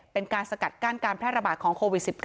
เป็นการสกัดกั้นการแพร่ระบาดของโควิด๑๙